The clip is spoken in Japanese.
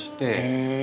へえ。